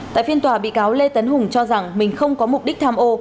tại phiên tòa bị cáo lê tấn hùng cho rằng mình không có mục đích tham ô